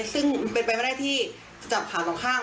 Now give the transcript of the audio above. ซึ่งเป็นไปไม่ได้ที่จับขาสองข้าง